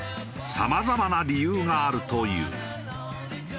さまざまな理由があるという。